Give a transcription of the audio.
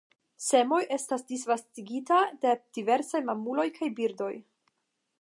Semoj estas disvastigita de diversaj mamuloj kaj birdoj.